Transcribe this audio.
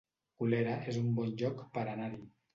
Colera es un bon lloc per anar-hi